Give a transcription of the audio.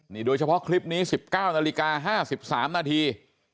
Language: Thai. โดยเฉพาะคลิปนี้๑๙นาฬิกา๕๓นาที